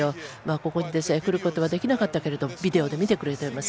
ここに来ることはできなかったけれどビデオで見てくれています